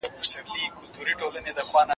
که ډاکټر زموږ پاڼه وړاندي کړي، موږ به خوښ سو.